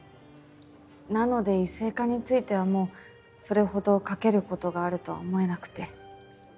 なので異性化についてはもうそれほど書けることがあるとは思えなくて。